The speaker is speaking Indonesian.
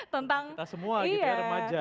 tentang semua gitu ya remaja